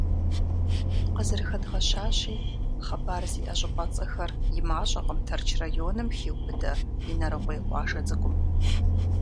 Къызэрыхэдгъэщащи, хъыбар зиӏэ щӏыпӏэцӏэхэр и мащӏэкъым Тэрч районым хиубыдэ Инарыкъуей къуажэ цӏыкӏум.